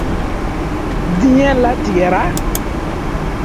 diɲɛlatigɛ ra?